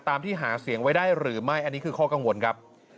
ตามที่หาเสียงไว้ได้หรือไม่อันนี้คือข้อกังวลครับ